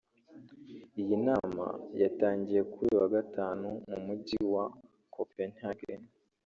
Iyi nama yatangiye kuri uyu wa Gatanu mu Mujyi wa Copenhagen